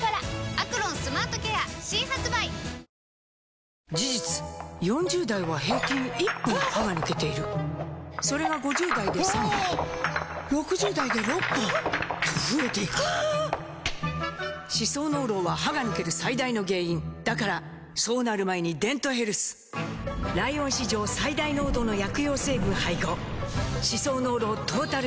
「アクロンスマートケア」新発売！事実４０代は平均１本歯が抜けているそれが５０代で３本６０代で６本と増えていく歯槽膿漏は歯が抜ける最大の原因だからそうなる前に「デントヘルス」ライオン史上最大濃度の薬用成分配合歯槽膿漏トータルケア！